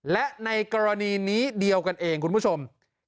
และในกรณีนี้เดียวกันเองคุณผู้ชม